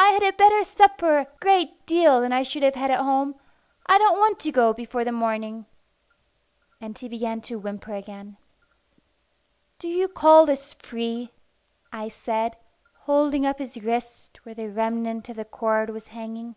"I had a better supper a great deal than I should have had at home. I don't want to go before the morning." And he began to whimper again. "Do you call this free?" I said, holding up his wrist where the remnant of the cord was hanging.